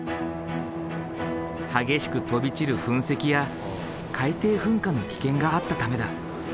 激しく飛び散る噴石や海底噴火の危険があったためだ。